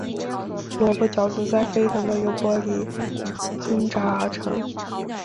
萝卜饺子在沸腾的油锅里烹炸而成。